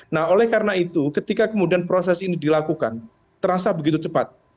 nah oleh karena itu ketika kemudian proses ini dilakukan terasa begitu cepat